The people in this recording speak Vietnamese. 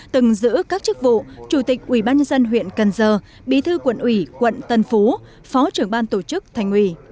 từng giữ các chức vụ chủ tịch ubnd huyện cần giờ bí thư quận ủy quận tân phú phó trưởng ban tổ chức thành ủy